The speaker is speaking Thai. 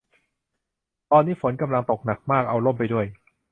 ตอนนี้ฝนกำลังตกหนักมาก เอาร่มไปด้วย